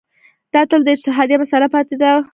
دا تل د اجتهاد مسأله پاتې وي.